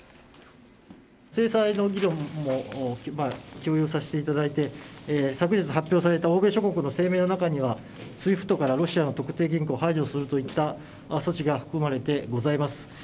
制裁の議論も共有させていただいて、昨日発表された欧米諸国の声明の中には、ＳＷＩＦＴからロシアの特定銀行排除するといった措置が含まれてございます。